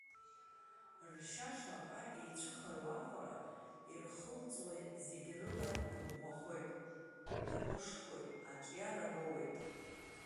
Ршьа шаҟа еицәыхароу аҟара ирхылҵуа зегь рыла иӷәӷәахоит, иҟәышхоит, аҿиара роуеит.